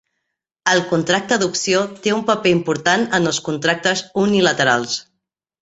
El contracte d'opció té un paper important en els contractes unilaterals.